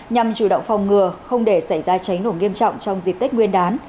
nhằm chủ động phòng ngừa không để xảy ra cháy nổ nghiêm trọng trong dịp tết nguyên đán